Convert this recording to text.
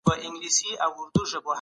تاسو خپله سرمایه نه ده راوړی.